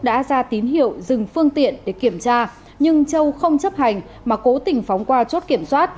đã ra tín hiệu dừng phương tiện để kiểm tra nhưng châu không chấp hành mà cố tình phóng qua chốt kiểm soát